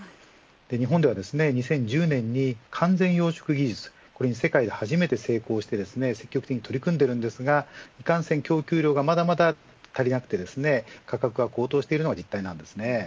日本では２０１０年に完全養殖技術に世界で初めて成功して積極的に取り組んでいますが供給量がまだまだ足りなくて価格が高騰しているのが実態です。